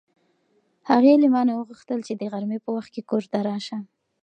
هغې له ما نه وغوښتل چې د غرمې په وخت کې کور ته راشه.